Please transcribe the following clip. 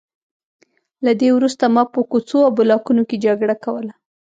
له دې وروسته ما په کوڅو او بلاکونو کې جګړه کوله